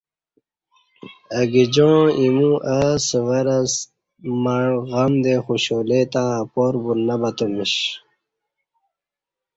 اہ گجاعں ایمو او سورہ مع غم دے خوشالی تہ اپار بو نہ بتمیش